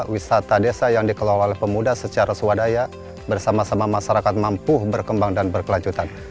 wisata desa yang dikelola oleh pemuda secara swadaya bersama sama masyarakat mampu berkembang dan berkelanjutan